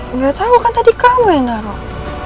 udah tau kan tadi kamu yang taruh